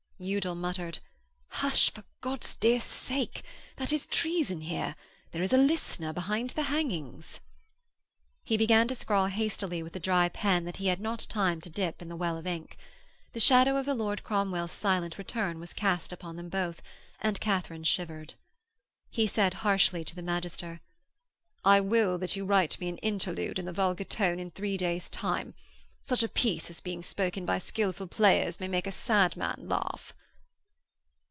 Udal muttered: 'Hush, for God's dear sake. That is treason here. There is a listener behind the hangings.' He began to scrawl hastily with a dry pen that he had not time to dip in the well of ink. The shadow of the Lord Cromwell's silent return was cast upon them both, and Katharine shivered. He said harshly to the magister: 'I will that you write me an interlude in the vulgar tongue in three days' time. Such a piece as being spoken by skilful players may make a sad man laugh.'